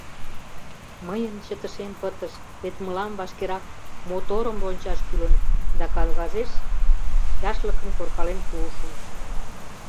Мыйын чытышем пытыш — вет мылам вашкерак моторым рончаш кӱлын — да кагазеш яшлыкым коркален пуышым.